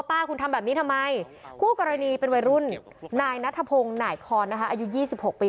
ป้าคุณทำแบบนี้ทำไมคู่กรณีเป็นวัยรุ่นนายนัทพงศ์หน่ายคอนนะคะอายุ๒๖ปี